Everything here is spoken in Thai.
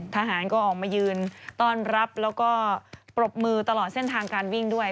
ทหารก็ออกมายืนต้อนรับแล้วก็ปรบมือตลอดเส้นทางการวิ่งด้วย